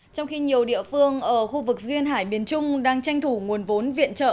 trong khi nhiều địa phương ở khu vực duyên hải miền trung đang tranh thủ nguồn vốn viện trợ